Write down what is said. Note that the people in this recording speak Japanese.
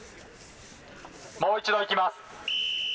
もう一度いきます。